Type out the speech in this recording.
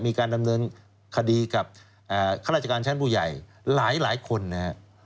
มีการดำเนินคดีกับข้าราชการชั้นผู้ใหญ่หลายคนนะฮะ